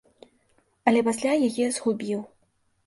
Але пасля яе згубіў.